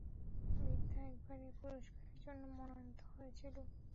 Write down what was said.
বিদ্যা একবার এ পুরস্কারের জন্য মনোনীত হয়েছিলেন।